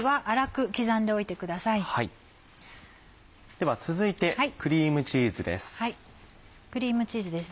では続いてクリームチーズです。